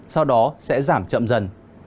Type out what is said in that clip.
sau đó sẽ giảm chậm dần